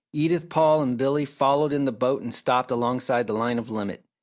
Edith, Paul and Billy followed in the boat and stopped alongside the line of limit.